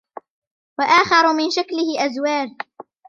وَآخَرُ مِنْ شَكْلِهِ أَزْوَاجٌ